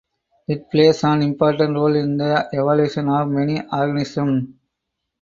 It plays an important role in the evolution of many organisms.